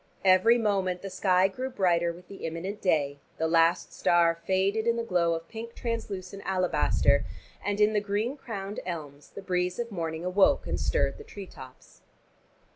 Every moment the sky grew brighter with the imminent day, the last star faded in the glow of pink translucent alabaster, and in the green crowned elms the breeze of morning awoke, and stirred the tree tops.